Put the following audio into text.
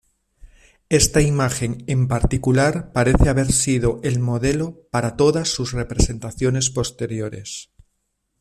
Esta imagen en particular parece haber sido el modelo para todas su representaciones posteriores.